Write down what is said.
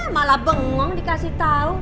malah bengong dikasih tau